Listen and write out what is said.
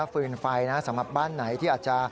ฟืนไฟนะสำหรับบ้านไหนที่อาจจะ